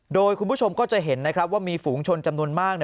โดยคุณผู้ชมก็จะเห็นนะครับว่ามีฝูงชนจำนวนมาก